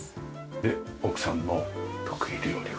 で奥さんの得意料理は？